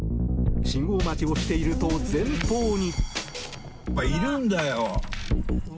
信号待ちをしていると前方に。